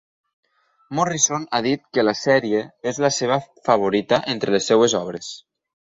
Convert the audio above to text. Morrison ha dit que la sèrie és la seva favorita entre les seves obres.